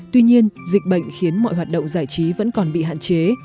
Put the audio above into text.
tuy nhiên dịch bệnh khiến mọi hoạt động giải trí vẫn còn bị hạn chế